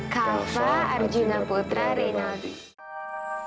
kafa arjuna putra renaldi